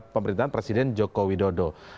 pemerintahan presiden joko widodo